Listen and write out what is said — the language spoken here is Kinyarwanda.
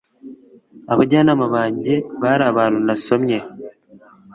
Abajyanama banjye bari abantu nasomye